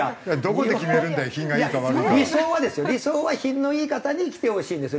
理想はですよ理想は品のいい方に来てほしいんですよ。